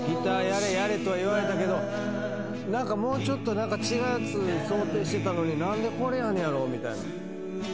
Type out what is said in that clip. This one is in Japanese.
やれやれとは言われたけどもうちょっと違うやつ想定してたのに何でこれやんねやろ？みたいな。